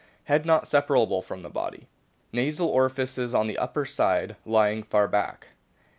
Head not separable from the body. Nasal orifices on the upper side lying far back.